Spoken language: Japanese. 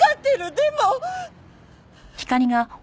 でも。